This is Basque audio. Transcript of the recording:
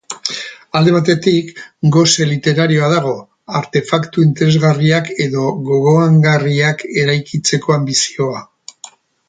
Alde batetik gose literarioa dago, artefaktu interesgarriak edo gogoangarriak eraikitzeko anbizioa.